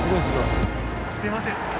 すいません。